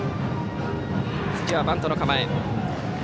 土屋はバントの構え。